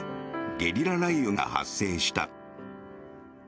ゲリラ雷雨が発生した。